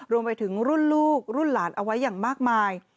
รวมไปถึงรุ่นลูกรุ่นหลานเอาไว้อย่างมากมาย